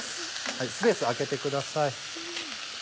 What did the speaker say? スペース空けてください。